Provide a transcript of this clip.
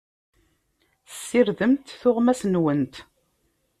Ssirdemt tuɣmas-nwent.